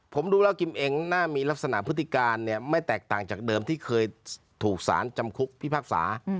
ผมดูแล้วกิมเองน่ามีลักษณะพฤติการเนี่ยไม่แตกต่างจากเดิมที่เคยถูกสารจำคุกพิพากษา